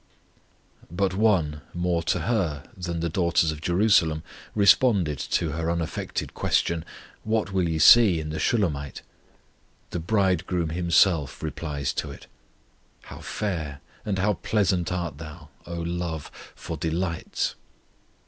But One, more to her than the daughters of Jerusalem, responded to her unaffected question, "What will ye see in the Shulamite?" The Bridegroom Himself replies to it: How fair and how pleasant art thou, O love, for delights!